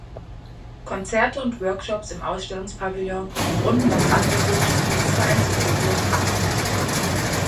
Konzerte und Workshops im Ausstellungspavillon runden das Angebot des Kunstvereins Coburg ab.